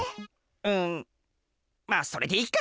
うんまあそれでいいか。